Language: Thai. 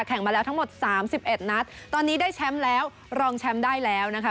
มาแล้วทั้งหมดสามสิบเอ็ดนัดตอนนี้ได้แชมป์แล้วรองแชมป์ได้แล้วนะคะ